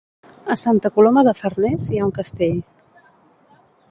A Santa Coloma de Farners hi ha un castell.